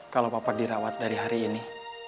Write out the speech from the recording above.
kalau papa dirawat dari hari ini